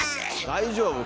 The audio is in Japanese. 大丈夫？